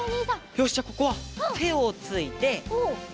よしじゃあここはてをついて。